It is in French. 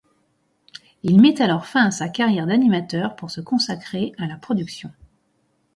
Il met alors fin à sa carrière d'animateur pour se consacrer à la production.